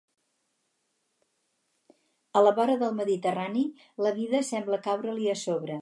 A la vora del Mediterrani, la vida sembla caure-li a sobre.